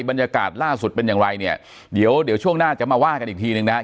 บรรยากาศล่าสุดเป็นอย่างไรเนี่ยเดี๋ยวเดี๋ยวช่วงหน้าจะมาว่ากันอีกทีหนึ่งนะครับ